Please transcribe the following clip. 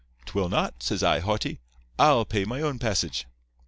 "'Twill not,' says I, haughty. 'I'll pay my own passage.